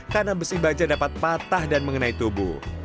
karena besi baja dapat patah dan mengenai tubuh